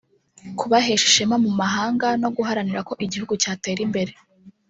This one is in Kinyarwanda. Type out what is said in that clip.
kubahesha ishema mu mahanga no guharanira ko igihugu cyatera imbere